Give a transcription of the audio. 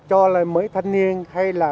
cho là mới thân niên hay là